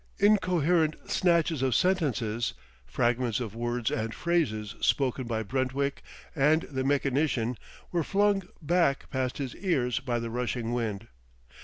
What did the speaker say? Incoherent snatches of sentences, fragments of words and phrases spoken by Brentwick and the mechanician, were flung back past his ears by the rushing wind.